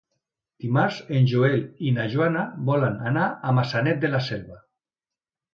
Dimarts en Joel i na Joana volen anar a Maçanet de la Selva.